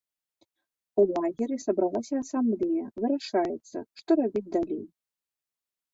У лагеры сабралася асамблея, вырашаецца, што рабіць далей.